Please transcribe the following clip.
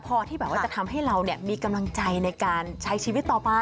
พอที่แบบว่าจะทำให้เรามีกำลังใจในการใช้ชีวิตต่อไป